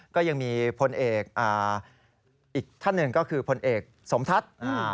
ก็ยังมีพลเอกอีกท่านหนึ่งก็คือพลเอกสมทัศน์